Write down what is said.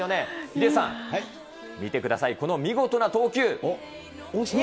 ヒデさん、見てください、この見事な投球。